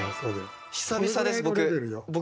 久々です僕。